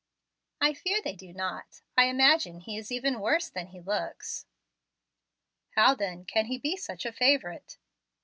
"I fear they do not. I imagine he is even worse than he looks." "How, then, can he be such a favorite?"